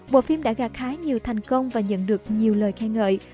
bộ phim đã gạt khá nhiều thành công và nhận được nhiều lời khen ngợi